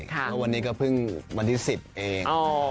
แล้ววันนี้ก็เพิ่งวันที่๑๐เอง